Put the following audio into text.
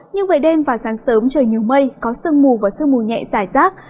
nhưng về đêm và sáng sớm trời nhiều mây có sương mù và sương mù nhẹ giải rác